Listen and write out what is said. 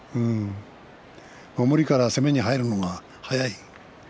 守りから攻めに入るのが速い。